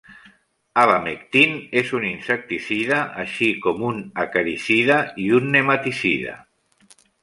Abamectin és un insecticida, així com un acaricida i un nematicida.